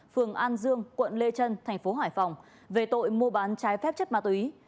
phường an dương quận lê trân thành phố hải phòng về tội mua bán trái phép chất ma túy